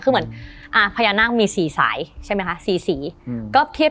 คือเหมือนพญานาคมีสี่สายใช่ไหมคะสี่